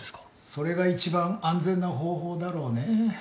それが一番安全な方法だろうね。